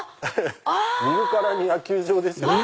見るからに野球場ですよね。